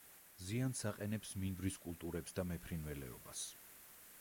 ზიანს აყენებს მინდვრის კულტურებს და მეფრინველეობას.